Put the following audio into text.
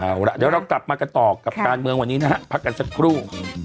เอาล่ะเดี๋ยวเรากลับมากันต่อกับการเมืองวันนี้นะฮะพักกันสักครู่